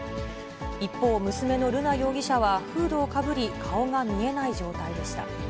一方、娘の瑠奈容疑者はフードをかぶり顔が見えない状態でした。